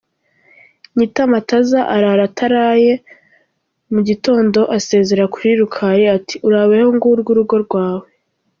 Nyitamataza arara ataraye, mu gitondo asezera kuri Rukali ati "Urabeho ngurwo urugo rwawe.